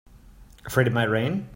Afraid it might rain?